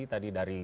tadi dari bawah